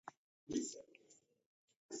Bahari ndeiruwukwaa kwa kuvululia machi.